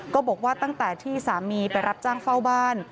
ก็บอกว่าตั้งแต่ที่สามีไปรับจ้างเฝ้าบ้าน